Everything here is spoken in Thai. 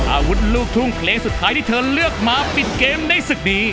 อาวุธลูกทุ่งเพลงสุดท้ายที่เธอเลือกมาปิดเกมในศึกดี